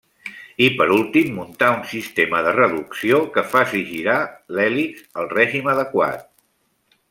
I per últim muntar un sistema de reducció, que faci girar l'hèlix al règim adequat.